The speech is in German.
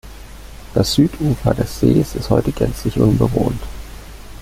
Das Südufer des Sees ist heute gänzlich unbewohnt.